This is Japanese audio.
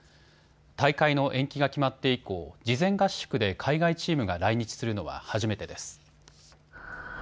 大会の延期が決まって以降、事前合宿で海外チームが来日するのは初めてです。